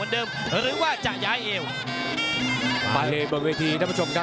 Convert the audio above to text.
พี่น้องอ่ะพี่น้องอ่ะพี่น้องอ่ะ